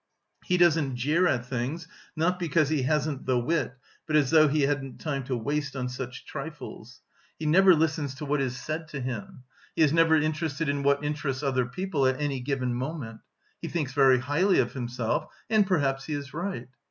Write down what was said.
He doesn't jeer at things, not because he hasn't the wit, but as though he hadn't time to waste on such trifles. He never listens to what is said to him. He is never interested in what interests other people at any given moment. He thinks very highly of himself and perhaps he is right.